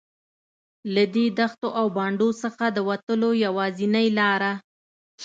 له دې دښتو او بانډو څخه د وتلو یوازینۍ لاره.